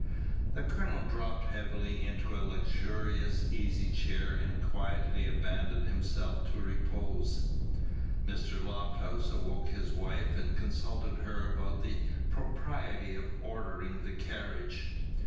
The colonel dropped heavily into a luxurious easy chair, and quietly abandoned himself to repose. Mr. Lofthouse awoke his wife, and consulted her about the propriety of ordering the carriage.